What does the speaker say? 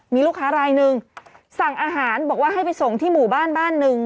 มีลูกค้ารายหนึ่งสั่งอาหารบอกว่าให้ไปส่งที่หมู่บ้านบ้านหนึ่ง